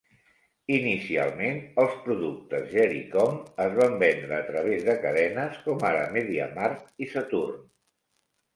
inicialment els productes Gericom es van vendre a través de cadenes, com ara Media Markt i Saturn.